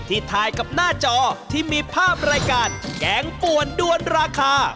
ถ่ายกับหน้าจอที่มีภาพรายการแกงป่วนด้วนราคา